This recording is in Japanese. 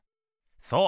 そう！